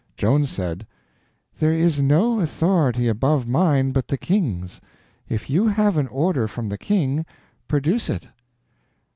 Joan said: "There is no authority above mine but the King's. If you have an order from the King, produce it."